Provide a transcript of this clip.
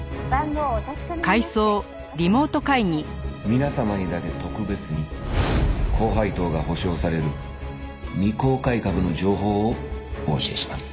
「皆様にだけ特別に高配当が保証される未公開株の情報をお教えします」